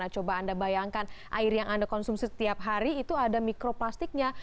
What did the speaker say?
coba anda bayangkan air yang anda konsumsi setiap hari itu ada mikroplastiknya